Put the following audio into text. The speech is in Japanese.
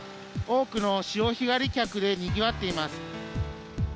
多くの潮干狩り客でにぎわっています。